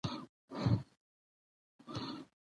خیرات او صدقات کوه خو لوڅوه یې مه؛ خلک پوهوه خو توروه یې مه